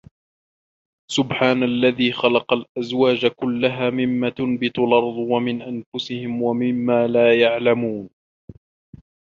سُبحانَ الَّذي خَلَقَ الأَزواجَ كُلَّها مِمّا تُنبِتُ الأَرضُ وَمِن أَنفُسِهِم وَمِمّا لا يَعلَمونَ